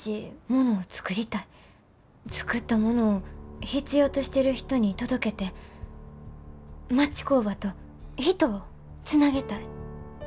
作ったものを必要としてる人に届けて町工場と人をつなげたい。